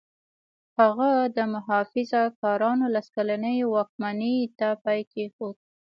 هغه د محافظه کارانو لس کلنې واکمنۍ ته پای کېښود.